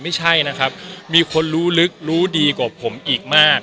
ไม่ใช่นะครับมีคนรู้ลึกรู้ดีกว่าผมอีกมาก